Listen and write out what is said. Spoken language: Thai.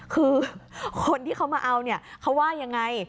คือคนที่เขามาเอาเนี่ยเขาว่ายังไง